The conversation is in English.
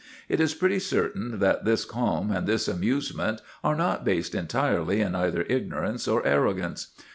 It is pretty certain that this calm and this amusement are not based entirely in either ignorance or arrogance.